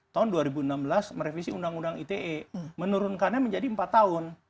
tahun dua ribu enam belas merevisi undang undang ite menurunkannya menjadi empat tahun